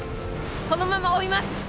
このまま追います